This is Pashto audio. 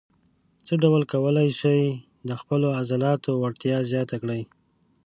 څه ډول کولای شئ د خپلو عضلاتو وړتیا زیاته کړئ.